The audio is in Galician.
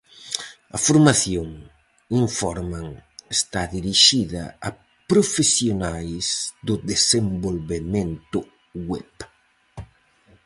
A formación, informan, está dirixida a profesionais do desenvolvemento web.